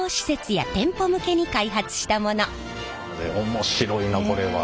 面白いなこれは。